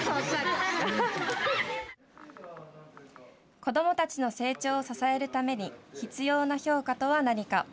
子どもたちの成長を支えるために必要な評価とは何か。